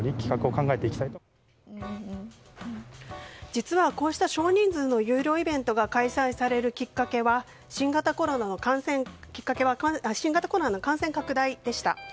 実は、こうした少人数の有料イベントが開催されるきっかけは新型コロナの感染拡大でした。